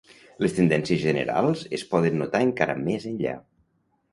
Les tendències generals es poden notar encara més enllà.